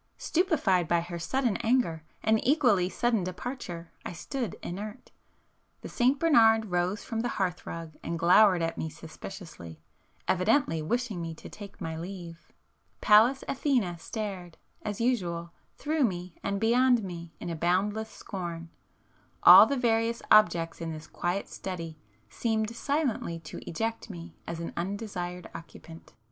Stupefied by her sudden anger, and equally sudden departure, I stood inert,—the St Bernard rose from the hearth rug and glowered at me suspiciously, evidently wishing me to take my leave,—Pallas Athene stared, as usual, through me and beyond me in a boundless scorn,—all the various objects in this quiet study seemed silently to eject me as an undesired occupant.